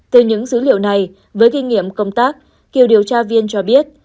từ những dữ liệu này với kinh nghiệm công tác kiều điều tra viên cho biết